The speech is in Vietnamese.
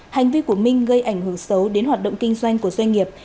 hành vi của minh gây ảnh hưởng xấu đến hoạt động kinh doanh của doanh nghiệp